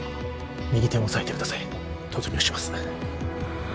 右手をおさえてください突入します